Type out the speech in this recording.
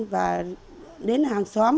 và đến hàng xóm